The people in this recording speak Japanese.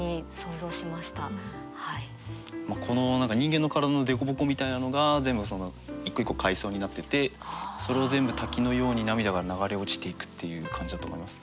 この人間の体の凸凹みたいなのが全部一個一個階層になっててそれを全部滝のように涙が流れ落ちていくっていう感じだと思います。